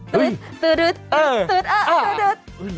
ตื๊ดตื๊ด